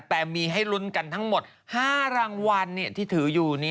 แต่มีให้ลุ้นกันทั้งหมด๕รางวัลที่ถืออยู่